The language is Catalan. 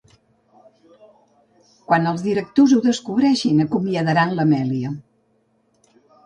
Quan els directors ho descobreixin, acomiadaran l'Amelia.